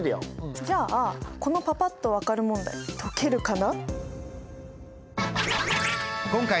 じゃあこのパパっと分かる問題解けるかな？